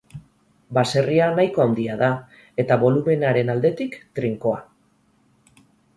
Baserria nahiko handia eta, bolumenaren aldetik, trinkoa.